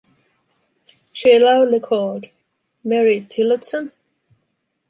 She loudly called, Mary Tillotson?